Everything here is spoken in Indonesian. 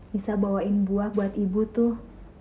bisa bawain buah buat ibu tuh